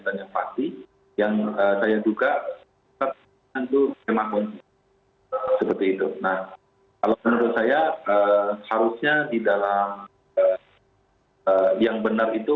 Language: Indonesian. tapi kalau misalkan kita menggantikan tugas kita